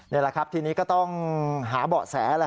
นี่แหละครับทีนี้ก็ต้องหาเบาะแส